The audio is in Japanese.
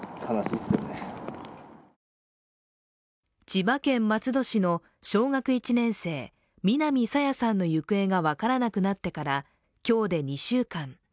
千葉県松戸市の小学１年生、南朝芽さんの行方が分からなくなってから、今日で２週間。